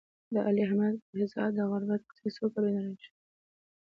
د علي احمد کهزاد د غربت کیسه څوک اورېدای شي.